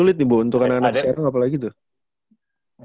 sulit nih bu untuk anak anak saya tuh apa lagi tuh